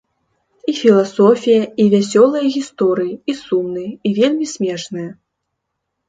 І філасофія, і вясёлыя гісторыі, і сумныя, і вельмі смешныя.